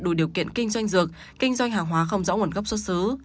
đủ điều kiện kinh doanh dược kinh doanh hàng hóa không rõ nguồn gốc xuất xứ